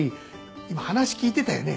今話聞いてたよね。